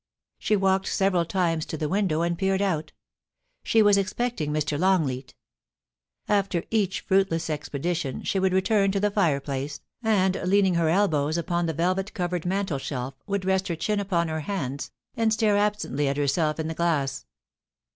She walked several times to the window and peered out She was expecting Mr. Longleat After each fruitless expe dition, she would return to the fireplace, and leaning her elbows upon the velvet covered mantel shelf, would rest her chin upon her hands, and stare absently at herself in the glass.